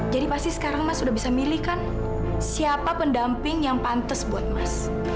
jadi pasti sekarang mas udah bisa milihkan siapa pendamping yang pantes buat mas